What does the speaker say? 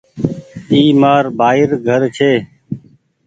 اي مآر ڀآئي گھرڇي۔